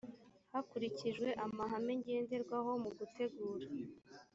hakurikijwe amahame ngenderwaho mu gutegura